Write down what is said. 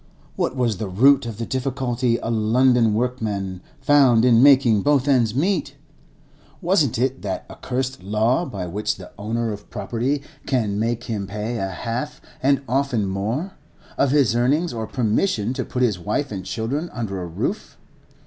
What was the root of the difficulty a London workman found in making both ends meet? Wasn't it that accursed law by which the owner of property can make him pay a half, and often more, of his earnings for permission to put his wife and children under a roof?